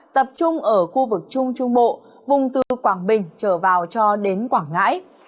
tập trung ở khu vực trung trung bộ vùng từ quảng bình trở vào cho đến quảng ngãi